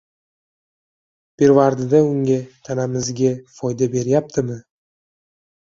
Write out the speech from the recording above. pirovardida unga — tanamizga foyda beryaptimi